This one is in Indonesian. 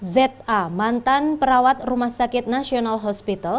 za mantan perawat rumah sakit nasional hospital